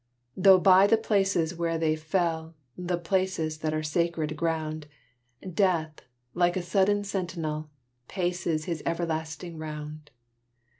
Though by the places where they fell, The places that are sacred ground, Death, like a sullen sentinel, Paces his everlasting round.